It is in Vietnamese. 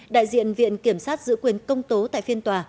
đại diện viện kiểm sát giữ quyền công tố tại phiên tòa